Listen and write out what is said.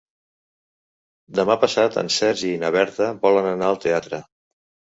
Demà passat en Sergi i na Berta volen anar al teatre.